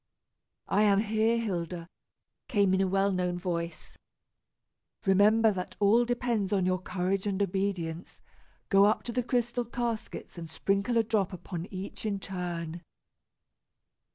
"I am here, Hilda," came in a well known voice. "Remember that all depends upon your courage and obedience. Go up to the crystal caskets and sprinkle a drop upon each in turn."